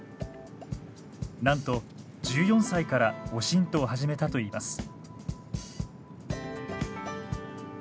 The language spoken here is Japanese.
なんと１４歳からオシントを始めたといいます。